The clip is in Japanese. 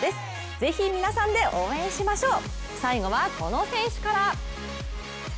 ぜひ皆さんで応援しましょう！